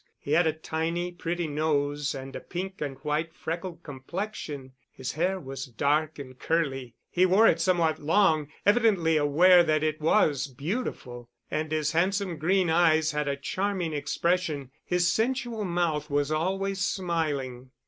He had a tiny, pretty nose, and a pink and white freckled complexion. His hair was dark and curly, he wore it somewhat long, evidently aware that it was beautiful; and his handsome green eyes had a charming expression. His sensual mouth was always smiling.